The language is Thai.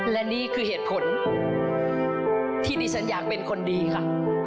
และนี่คือเหตุผลที่ดิฉันอยากเป็นคนดีค่ะ